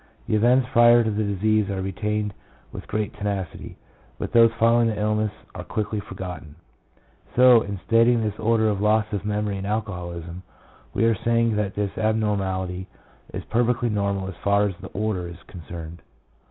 The events prior to the disease are retained with great tenacity, but those following the illness are quickly forgotten. So, in stating this order of loss of memory in alcoholism, we are saying that this ab normality is perfectly normal as far as the order is concerned.